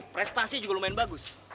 prestasi juga lumayan bagus